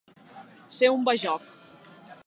Ser un bajoc.